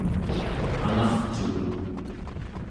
anarcuun